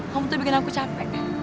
kamu tuh bikin aku capek